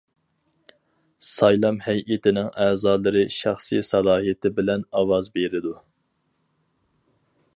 سايلام ھەيئىتىنىڭ ئەزالىرى شەخسىي سالاھىيىتى بىلەن ئاۋاز بېرىدۇ.